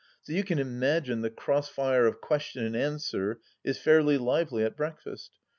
So you can imagine the cross fire of question and answer is fairly lively at breakfast.